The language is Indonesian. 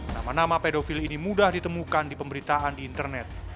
nama nama pedofil ini mudah ditemukan di pemberitaan di internet